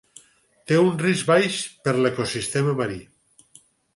Té un risc baix per l'ecosistema marí.